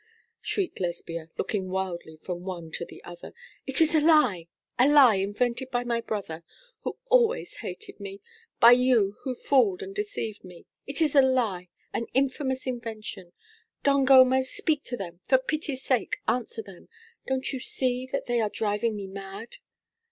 shrieked Lesbia, looking wildly from one to the other. 'It is a lie a lie, invented by my brother, who always hated me by you, who fooled and deceived me! It is a lie, an infamous invention! Don Gomez, speak to them: for pity's sake answer them! Don't you see that they are driving me mad?'